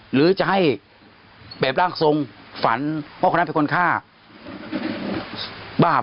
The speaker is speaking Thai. หรือจะให้แบบร่างทรงฝันเพราะคนนั้นเป็นคนฆ่าบาป